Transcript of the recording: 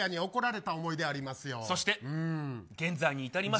そして現在に至ります。